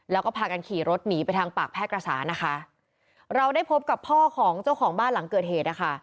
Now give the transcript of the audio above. แล้วก็พากันขี่รถหนีไปทางปากแพร่กระสานะคะเราได้พบกับพ่อของเจ้าของบ้านหลังเกิดเหตุนะคะ